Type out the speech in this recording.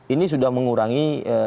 ini sudah mengurangi